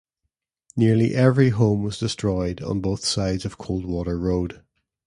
Nearly every home was destroyed on both sides of Coldwater Road.